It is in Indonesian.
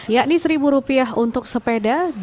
yakni rp satu untuk sepeda